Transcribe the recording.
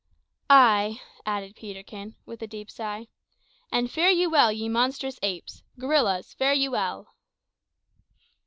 "Ay," added Peterkin, with a deep sigh, "and fare you well, ye monstrous apes; gorillas, fare you well!"